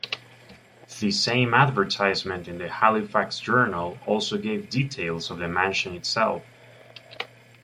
The same advertisement in the Halifax Journal also gave details of the mansion itself.